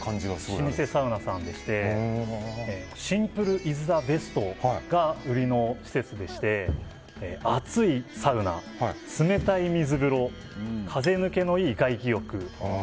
老舗サウナでしてシンプルイズザベストが売りの施設でして暑いサウナ、冷たい水風呂風抜けのいい外気浴。